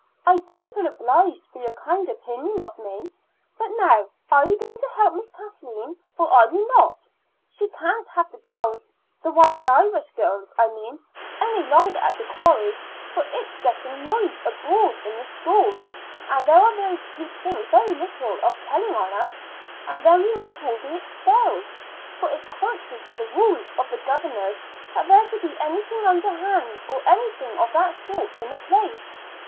I do feel obliged for your kind opinion of me. But now, are you going to help Miss Kathleen, or are you not? She can't have the girls the Wild Irish Girls, I mean any longer at the quarry, for it's getting noised abroad in the school, and there are those who'd think very little of telling on us; and then we might all be expelled, for it's contrary to the rules of the governors that there should be anything underhand or anything of that sort in the place.